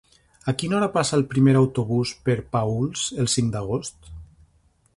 A quina hora passa el primer autobús per Paüls el cinc d'agost?